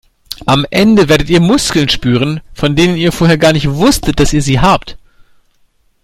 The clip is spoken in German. Am Ende werdet ihr Muskeln spüren, von denen ihr vorher gar nicht wusstet, dass ihr sie habt.